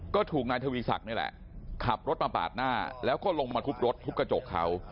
ก็ถูกนายทวีศักดิ์นี่แหละขับรถมาปาดหน้าแล้วก็ลงมาทุบรถทุบกระจกเขา